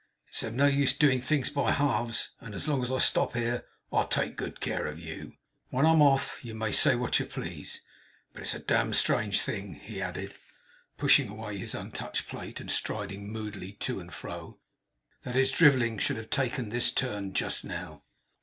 It's of no use doing things by halves, and as long as I stop here, I'll take good care of you. When I'm off you may say what you please. But it's a d d strange thing,' he added, pushing away his untouched plate, and striding moodily to and fro, 'that his drivellings should have taken this turn just now.